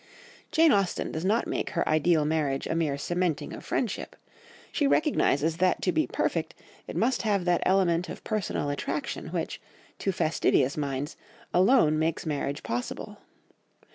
Jane Austen does not make her ideal marriage a mere cementing of friendship, she recognises that to be perfect it must have that element of personal attraction which, to fastidious minds, alone makes marriage possible.